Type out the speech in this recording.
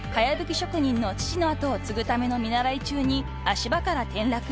職人の父の跡を継ぐための見習中に足場から転落］